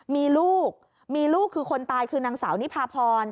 มีลูกมีลูกคือคนตายคือนางสาวนิพาพร